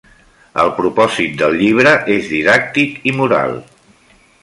El propòsit del llibre és didàctic i moral.